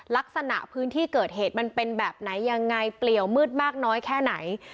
ลักษณะพื้นที่เกิดเหตุมันเป็นแบบไหนยังไงเปลี่ยวมืดมากน้อยแค่ไหน